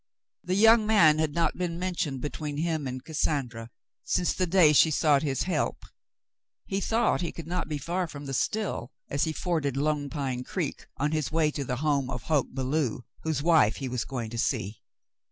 The young man had not been mentioned between him and Cassandra since the day she sought his help. He thought he could not be far from the still, as he forded Lone Pine Creek, on his way to the home of Hoke Belew, whose wife he was going to see.